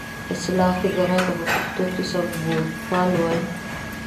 اصلاح ګرا ته په پښتو کې سمونپال وایي.